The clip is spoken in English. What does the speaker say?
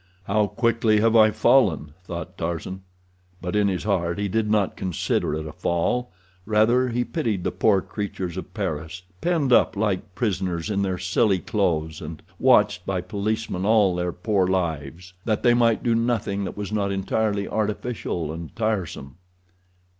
"How quickly have I fallen!" thought Tarzan; but in his heart he did not consider it a fall—rather, he pitied the poor creatures of Paris, penned up like prisoners in their silly clothes, and watched by policemen all their poor lives, that they might do nothing that was not entirely artificial and tiresome.